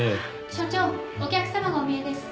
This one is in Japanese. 所長お客様がお見えです。